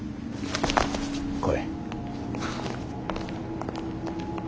来い。